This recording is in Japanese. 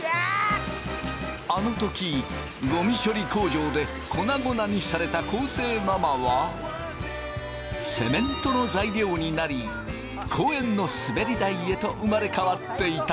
あの時ゴミ処理工場で粉々にされた昴生ママはセメントの材料になり公園のすべり台へと生まれ変わっていた。